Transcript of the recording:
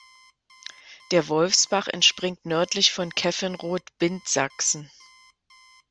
Der Wolfsbach entspringt nördlich von Kefenrod-Bindsachsen.